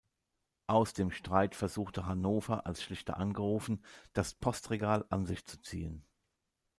Aus dem Streit versuchte Hannover, als Schlichter angerufen, das Postregal an sich zu ziehen.